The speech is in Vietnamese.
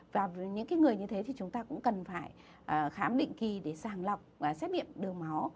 và những người như thế thì chúng ta cũng cần phải khám định kỳ để sàng lọc xét nghiệm đường máu